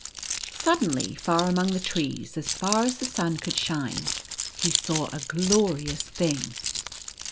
O Suddenly, far among the trees, as far as the sun could shine, he saw a glorious thing.